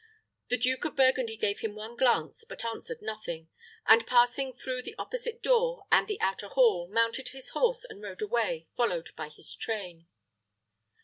The Duke of Burgundy gave him one glance, but answered nothing; and, passing through the opposite door and the outer hall, mounted his horse and rode away, followed by his train.